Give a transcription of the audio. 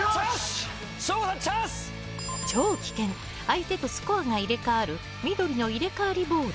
超危険相手とスコアが入れ替わる緑の入れ替わりボール。